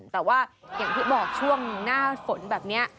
แต่ว่าอย่างที่บอกช่วงหน้าฝนแบบนี้